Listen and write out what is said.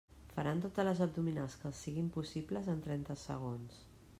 Faran totes les abdominals que els siguin possibles en trenta segons.